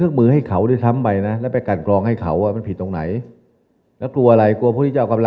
อเรนนี่ขอถามนิดหนึ่งค่ะ